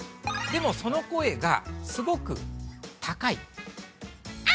でもその声がすごく高い。